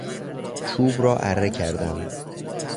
چوب را اره کردم.